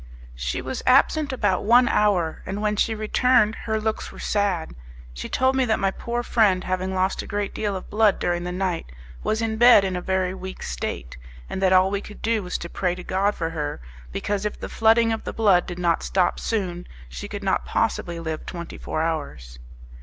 She was absent about one hour, and when she returned her looks were sad. She told me that my poor friend, having lost a great deal of blood during the night, was in bed in a very weak state, and that all we could do was to pray to God for her, because, if the flooding of the blood did not stop soon, she could not possibly live twenty four hours.